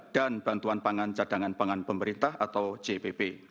dan bantuan pangan cadangan pangan pemerintah atau cip